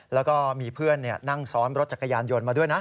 แล้วก็มีเพื่อนนั่งซ้อนรถจักรยานยนต์มาด้วยนะ